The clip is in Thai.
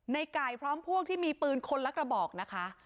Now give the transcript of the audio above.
ในไก่พร้อมพวกที่มีปืนคนละกระบอกนะคะ